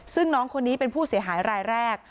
ซึ่งน้องคนนี้เป็นผู้เสียหายรายแรก